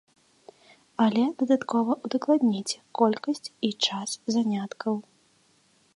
Але дадаткова ўдакладніце колькасць і час заняткаў.